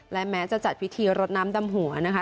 และแม้จะจัดพิธีรดน้ำดำหัวนะคะ